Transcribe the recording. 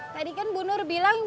tadi kan bu nur bilang